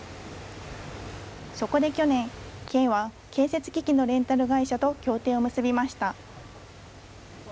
そこで去年、県は建設機器のレンタル会社と協定を結びました。